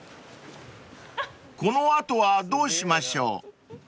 ［この後はどうしましょう？］